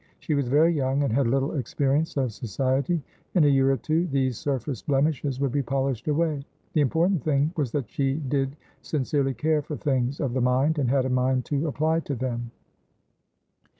She was very young, and had little experience of Society; in a year or two these surface blemishes would be polished away. The important thing was that she did sincerely care for things of the mind, and had a mind to apply to them.